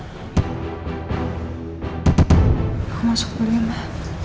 aku masuk dulu ya ma